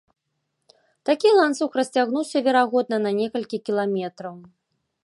Такі ланцуг расцягнуўся, верагодна, на некалькі кіламетраў.